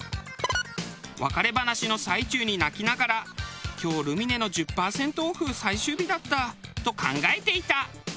「別れ話の最中に泣きながら今日ルミネの１０パーセントオフ最終日だった」と考えていた。